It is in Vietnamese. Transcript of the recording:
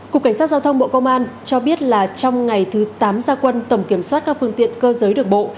cục cảnh sát giao thông bộ công an cho biết là trong ngày thứ tám gia quân tổng kiểm soát các phương tiện cơ giới đường bộ